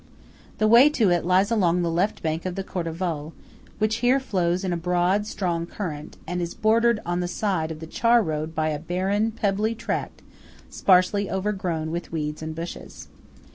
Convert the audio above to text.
The way to it lies along the left bank of the Cordevole, which here flows in a broad, strong current, and is bordered on the side of the char road by a barren, pebbly tract sparsely overgrown with weeds and bushes.